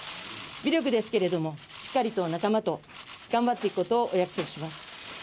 微力ですけれど、しっかり仲間と頑張っていくことをお約束いたします。